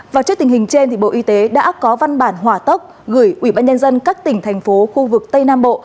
và trước tình hình trên bộ y tế đã có văn bản hỏa tốc gửi ubnd các tỉnh thành phố khu vực tây nam bộ